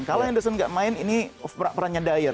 kalau henderson tidak main ini perannya dyer